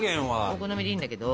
お好みでいいんだけど。